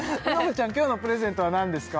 ちゃん今日のプレゼントは何ですか？